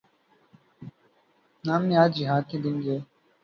نام نہاد جہاد کے دن گئے۔